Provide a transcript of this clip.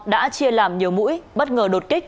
đã chia làm nhiều mũi bất ngờ đột kích